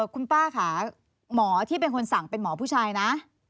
คุณป้าค่ะหมอที่เป็นคนสั่งเป็นหมอผู้ชายนะ